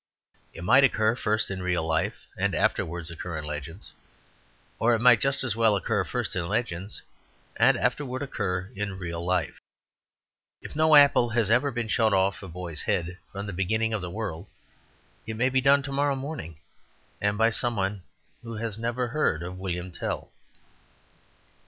It might occur first in real life and afterwards occur in legends. Or it might just as well occur first in legends and afterwards occur in real life. If no apple has ever been shot off a boy's head from the beginning of the world, it may be done tomorrow morning, and by somebody who has never heard of William Tell.